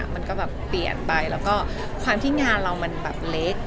มันก็แบบเปลี่ยนไปแล้วก็ความที่งานเรามันแบบเล็ก